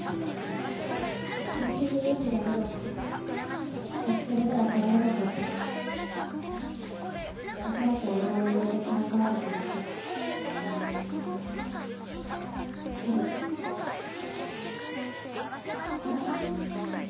結局勇気が出なくてコスプレでは来られなかった恐らくあの場のノリでからかわれただけけど加賀さん